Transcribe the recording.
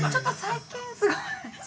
最近すごい？